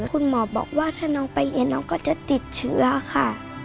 คุณหมอบอกว่าถ้าน้องไปเรียนน้องก็จะติดเชื้อค่ะ